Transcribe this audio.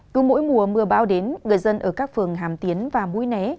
cứ mỗi mùa mưa bão đến người dân ở các phường hàm tiến và mũi né